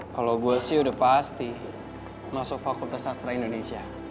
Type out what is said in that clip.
kalo gue sih udah pasti masuk fakultas sastra indonesia